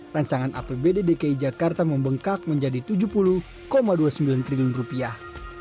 rancangan apbd dki jakarta membengkak menjadi tujuh puluh dua puluh sembilan triliun rupiah